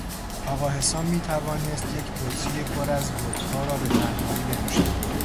آقا حسام میتوانست یک بطری پر از ودکا را به تنهایی بنوشد.